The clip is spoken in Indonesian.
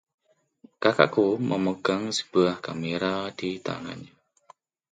Kakakku memegang sebuah kamera di tangannya.